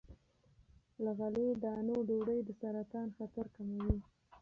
له غلې- دانو ډوډۍ د سرطان خطر کموي.